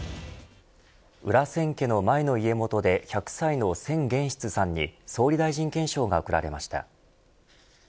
裏千家の前の家元で１００歳の千玄室さんに総理大臣顕彰が贈られました。